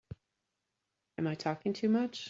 Am I talking too much?